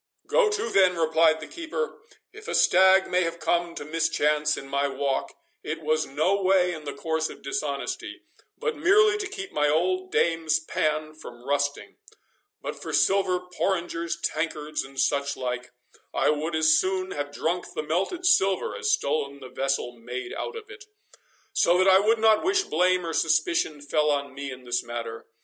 "Go to, then," replied the keeper; "if a stag may have come to mischance in my walk, it was no way in the course of dishonesty, but merely to keep my old dame's pan from rusting; but for silver porringers, tankards, and such like, I would as soon have drunk the melted silver, as stolen the vessel made out of it. So that I would not wish blame or suspicion fell on me in this matter.